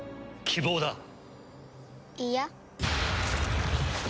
いや。